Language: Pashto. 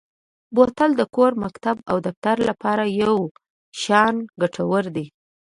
بوتل د کور، مکتب او دفتر لپاره یو شان ګټور دی.